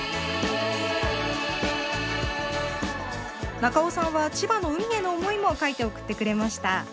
中尾さんは千葉の海への思いも書いて送ってくれました。